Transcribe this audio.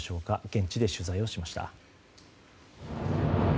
現地で取材をしました。